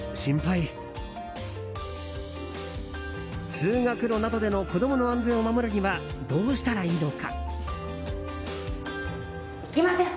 通学路などでの子供の安全を守るにはどうしたらいいのか？